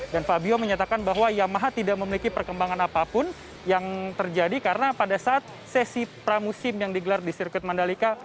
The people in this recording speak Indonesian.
fabio menyatakan bahwa yamaha tidak memiliki perkembangan apapun yang terjadi karena pada saat sesi pramusim yang digelar di sirkuit mandalika